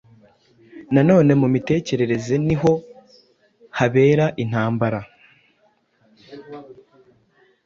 Na none mu mitekerereze ni ho habera intambara.